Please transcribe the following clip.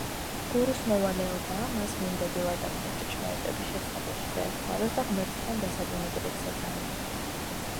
გურუს მოვალეობაა, მას მინდობილ ადამიანს ჭეშმარიტების შეცნობაში დაეხმაროს და ღმერთთან დასაბრუნებელი გზა დაანახოს.